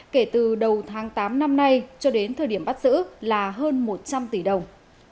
kể từ đầu tháng tám năm nay cho đến thời điểm bắt giữ là hơn một trăm linh tỷ đồng